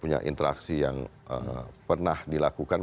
punya interaksi yang pernah dilakukan